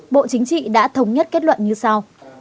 bộ chính trị đã thống nhất kết luận như sau